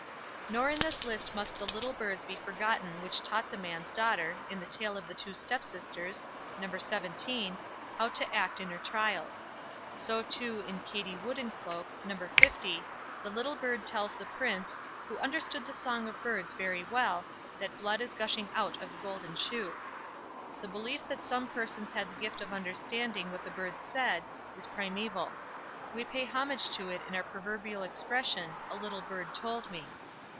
Nor in this list must the little birds be forgotten which taught the man's daughter, in the tale of "The Two Stepsisters", No. xvii, how to act in her trials. So, too, in "Katie Woodencloak", No. l, the little bird tells the Prince, "who understood the song of birds very well," that blood is gushing out of the golden shoe. The belief that some persons had the gift of understanding what the birds said, is primaeval. We pay homage to it in our proverbial expression, "a little bird told me".